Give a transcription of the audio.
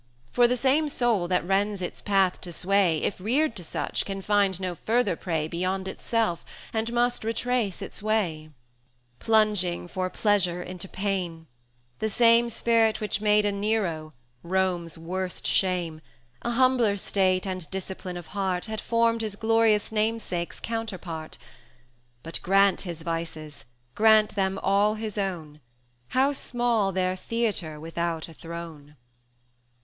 For the same soul that rends its path to sway, If reared to such, can find no further prey Beyond itself, and must retrace its way, Plunging for pleasure into pain: the same 190 Spirit which made a Nero, Rome's worst shame, A humbler state and discipline of heart, Had formed his glorious namesake's counterpart; But grant his vices, grant them all his own, How small their theatre without a throne!